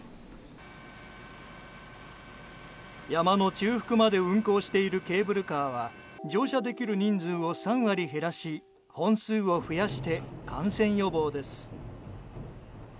山の中腹まで運行しているケーブルカーは乗車できる人数を３割減らし本数を増やして感染予防です。